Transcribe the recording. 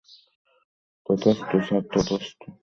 তথাস্তু sir, তথাস্তু।